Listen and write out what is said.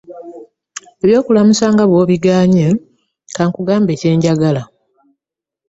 Eby’okulamusa nga bw’obigaanyi, ka nkugambe kye njagala.